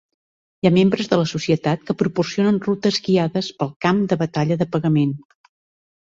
Hi ha membres de la Societat que proporcionen rutes guiades pel camp de batalla de pagament.